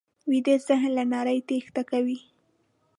ویده ذهن له نړۍ تېښته کوي